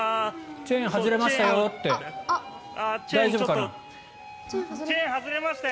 チェーン外れましたよ